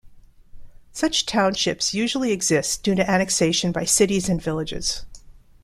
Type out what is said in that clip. Such townships usually exist due to annexation by cities and villages.